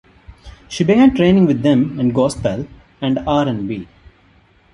She began training with them in gospel and R and B.